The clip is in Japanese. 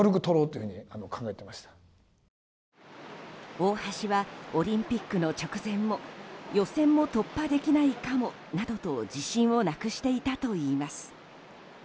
大橋はオリンピックの直前も予選も突破できないかもなどと自信をなくしていたといいます。